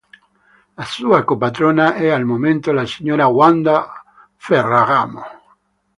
La sua co-patrona è al momento la signora Wanda Ferragamo.